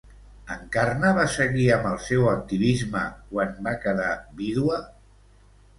Encarna va seguir amb el seu activisme, quan va quedar vídua?